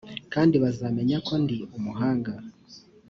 kandi bazamenya ko ndi umuhanga